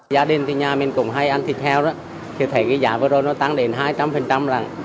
gia đình nhà mình cũng hay ăn thịt heo thì thấy giá vừa rồi nó tăng đến hai trăm linh